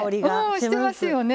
ねえしてますよね